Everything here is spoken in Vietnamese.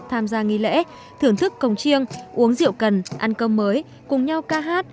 tham gia nghi lễ thưởng thức cồng chiêng uống rượu cần ăn cơm mới cùng nhau ca hát